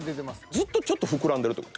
ずっとちょっと膨らんでるって事？